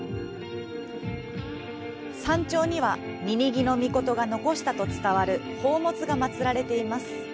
山頂には、ニニギノミコトが残したと伝わる宝物が祭られています。